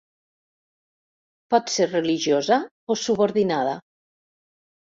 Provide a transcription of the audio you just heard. Pot ser religiosa o subordinada.